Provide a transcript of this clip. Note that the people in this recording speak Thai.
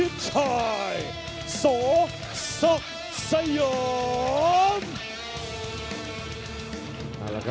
พิจิตชัยสอสักสยามก็เจ้าของตำแหน่งแชมป์๖๑อิโลกรัมจากพิจิตชัย